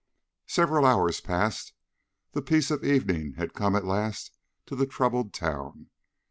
Several hours passed. The peace of evening had come at last to the troubled town.